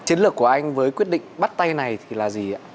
chiến lược của anh với quyết định bắt tay này thì là gì ạ